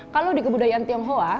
kalau di kebudayaan tionghoa